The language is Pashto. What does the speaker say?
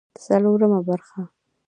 څلورمه برخه